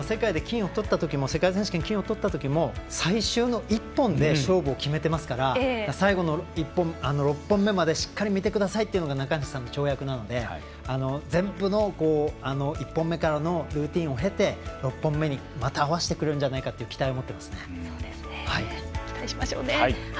世界選手権で金をとったときも最終の１本で勝利を決めていますから６本目までしっかり見てくださいというのが中西さんの跳躍なので１本目からのルーティンを経て、６本目に合わせてくるんじゃないかという期待しましょう。